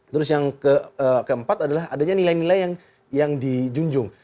terus yang keempat adalah adanya nilai nilai yang dijunjung